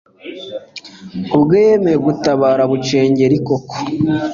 ubwe yemeye gutabara bucengeli koko